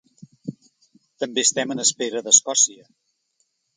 També estem en espera d’Escòcia.